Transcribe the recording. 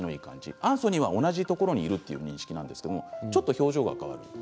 アンソニーは同じところにいるという認識なんですがちょっと表情が変わります。